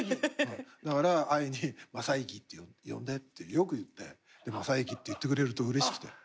だからＡＩに「まさいき」って呼んでってよく言って「まさいき」って言ってくれるとうれしくて。